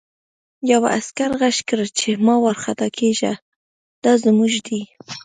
یوه عسکر غږ کړ چې مه وارخطا کېږه دا زموږ دي